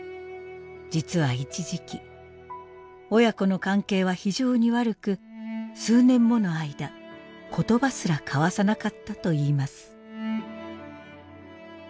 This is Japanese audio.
実は一時期親子の関係は非常に悪く数年もの間言葉すら交わさなかったといいます。